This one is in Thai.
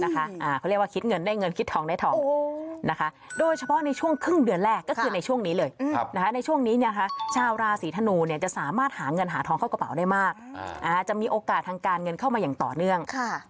เขาเรียกว่าคิดเงินได้เงินคิดทองได้ทองโดยเฉพาะในช่วงครึ่งเดือนแรกก็คือในช่วงนี้เลยในช่วงนี้ชาวราศีธนูจะสามารถหาเงินหาทองเข้ากระเป๋าได้มากจะมีโอกาสทางการเงินเข้ามาอย่างต่อเนื่อง